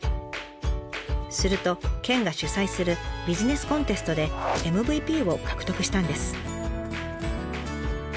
すると県が主催するビジネスコンテストでＭＶＰを獲得したんです。